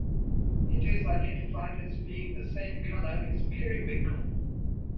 It is identified as being the same color as periwinkle.